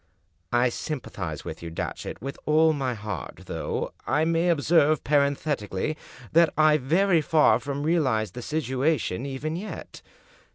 " I sympathize with you, Datchet, with all my heart, though, I may observe, parenthetically, that I very far from realize the situation even yet.